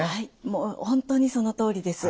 もう本当にそのとおりです。